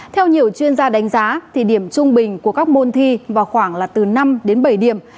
theo nhiều chuyên gia đánh giá thì điểm trung bình của các môn thi vào khoảng là từ năm đến bảy điểm